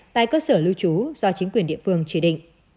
tại cơ sở lưu trú do chính quyền địa phương chỉ định